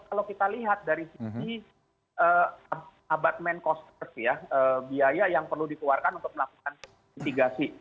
kalau kita lihat dari sisi abad main cost ya biaya yang perlu dikeluarkan untuk melakukan mitigasi